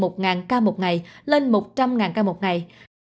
một ca một ngày lên một trăm linh ca một ngày